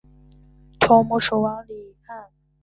同母弟蜀王李愔。